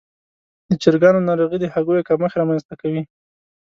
د چرګانو ناروغي د هګیو کمښت رامنځته کوي.